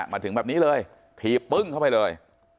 มาถึงแบบนี้เลยทีปึ้งเข้าไปเลย